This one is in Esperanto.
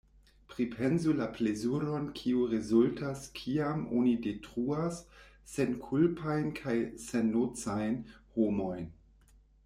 Pripensu la plezuron kiu rezultas kiam oni detruas senkulpajn kaj sennocajn homojn.